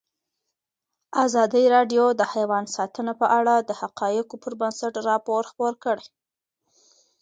ازادي راډیو د حیوان ساتنه په اړه د حقایقو پر بنسټ راپور خپور کړی.